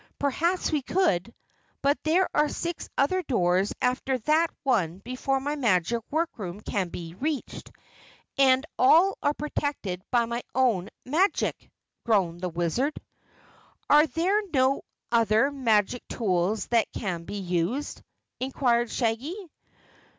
"Perhaps we could, but there are six other doors after that one before my magic workroom can be reached. And all are protected by my own magic!" groaned the Wizard. "Are there no other magic tools that can be used?" inquired Shaggy.